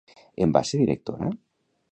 En va ser directora?